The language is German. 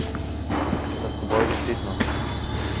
Das Gebäude steht noch.